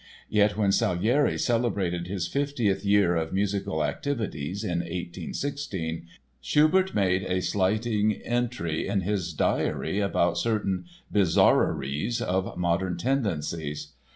Yet when Salieri celebrated his fiftieth year of musical activities, in 1816, Schubert made a slighting entry in his diary about "certain bizarreries of modern tendencies."